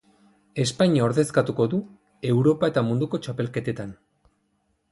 Espainia ordezkatu du Europa eta Munduko Txapelketetan.